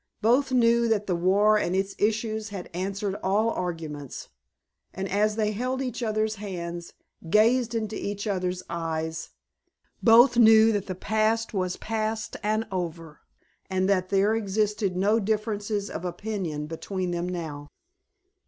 Both knew that the war and its issues had answered all arguments, and as they held each other's hands, gazed into each other's eyes, both knew that the past was passed and over, and that there existed no differences of opinion between them now.